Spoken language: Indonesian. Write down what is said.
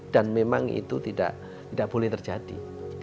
dan memang itu tidak boleh terjadi